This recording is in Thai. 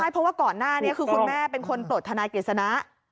เพราะว่าก่อนหน้านี้คือคุณแม่เป็นคนปลดทนายกฤษณะ